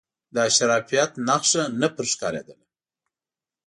د اشرافیت نخښه پر نه ښکارېدله.